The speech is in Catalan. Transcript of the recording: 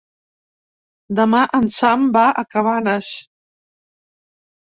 Demà en Sam va a Cabanes.